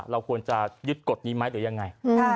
เราควรจะยึดกฎนี้ไหมหรือยังไง